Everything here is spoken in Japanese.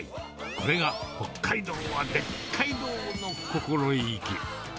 これが、北海道はでっかいどうの心意気。